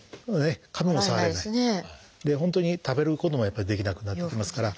本当に食べることもやっぱりできなくなってきますから。